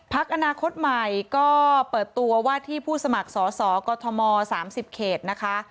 อนาคตใหม่ก็เปิดตัวว่าที่ผู้สมัครสอสอกอทม๓๐เขตนะคะ